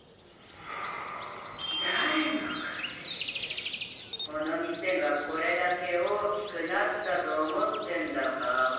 誰の稼ぎでこの店がこれだけ大きくなったと思ってんだばばあ。